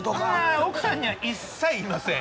あ奥さんには一切言いません。